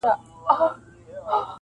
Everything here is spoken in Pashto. چي ښخ کړی یې پلټن وو د یارانو-